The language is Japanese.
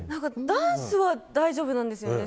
ダンスは大丈夫なんですよね。